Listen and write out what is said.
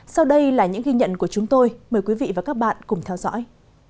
sau đây là những ghi nhận của chúng tôi mời quý vị và các bạn cùng theo dõi